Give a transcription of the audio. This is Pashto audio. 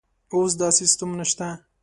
اوس داسې سیستم نشته.